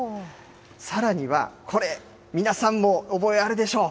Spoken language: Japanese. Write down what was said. さらには、これ、皆さんも覚えあるでしょう。